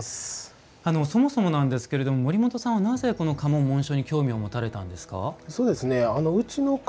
そもそもなんですけれども森本さんは、家紋・紋章に興味を持たれたんですか？